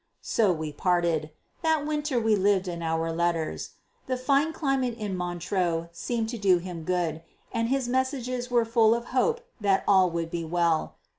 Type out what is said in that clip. So we parted. That winter we lived in our letters. The fine climate in Montreux seemed to do him good, and his messages were full of hope that all would be well.